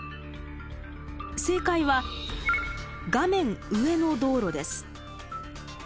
正解は画面上の道路です。